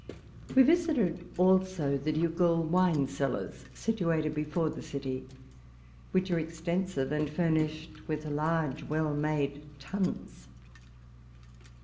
We visited also the ducal wine cellars, situ ated before the city, which are extensive, and furnished with large, well made tuns.